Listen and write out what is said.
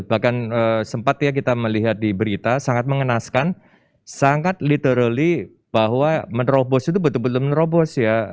bahkan sempat ya kita melihat di berita sangat mengenaskan sangat literally bahwa menerobos itu betul betul menerobos ya